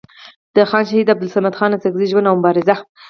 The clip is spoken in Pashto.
د خان شهید عبدالصمد خان اڅکزي ژوند او مبارزه